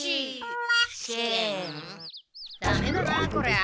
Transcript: ダメだなこりゃ。